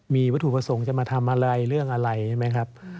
มีวัตถุประสงค์จะมาทำอะไรเรื่องอะไรใช่ไหมครับ